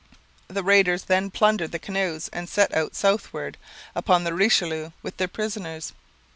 The raiders then plundered the canoes and set out southward, up the Richelieu, with their prisoners.